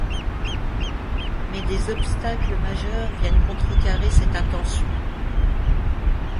Mais des obstacles majeurs viennent contrecarrer cette intention.